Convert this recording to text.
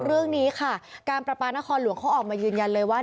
เรื่องนี้ค่ะการประปานครหลวงเขาออกมายืนยันเลยว่า